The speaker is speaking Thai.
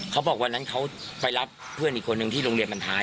เขาบอกวันนั้นเขาไปรับเพื่อนอีกคนนึงที่โรงเรียนบรรท้าย